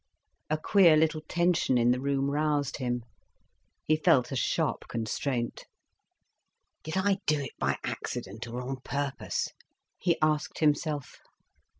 A queer little tension in the room roused him. He felt a sharp constraint. "Did I do it by accident, or on purpose?" he asked himself.